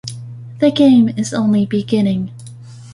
The game is only beginning.